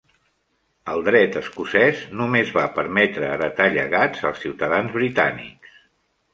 El Dret escocès, només va permetre heretar llegats als ciutadans britànics.